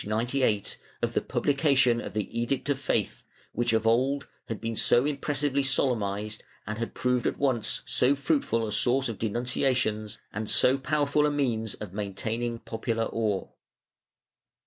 98) of the publication of the Edict of Faith, which of old had been so impressively solemnized and had proved at once so fruitful a source of denun ciations and so powerful a means of maintaining popular awe.